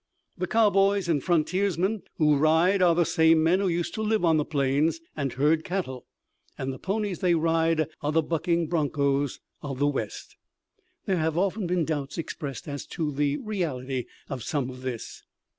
The cowboys and frontiersmen who ride are the same men who used to live on the plains and herd cattle, and the ponies they ride are the bucking bronchos of the West. There have often been doubts expressed as to the reality of some of this.